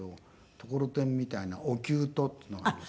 ところてんみたいなおきゅうとっていうのがありますが。